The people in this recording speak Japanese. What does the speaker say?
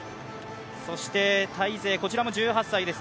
そしてタイ勢、こちらも１８歳です。